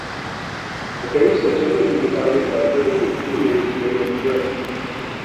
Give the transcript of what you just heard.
The bays are generally divided by vertical piers made of brick.